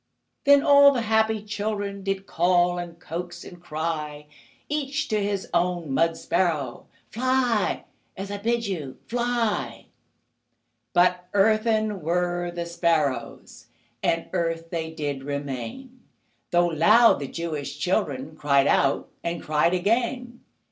Then all the happy children Did call, and coax, and cry Each to his own mud sparrow: "Fly, as I bid you! Fly!" But earthen were the sparrows, And earth they did remain, Though loud the Jewish children Cried out, and cried again.